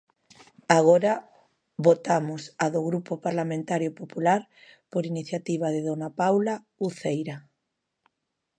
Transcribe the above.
Agora votamos a do Grupo Parlamentario Popular por iniciativa de dona Paula Uceira.